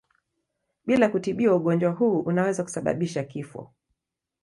Bila kutibiwa ugonjwa huu unaweza kusababisha kifo.